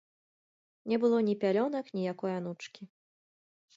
Не было ні пялёнак, ні якой анучкі.